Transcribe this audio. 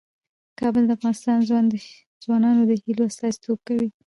کابل د افغان ځوانانو د هیلو استازیتوب کوي.